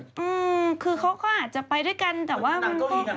อืมคือเขาก็อาจจะไปด้วยกันแต่ว่ามันก็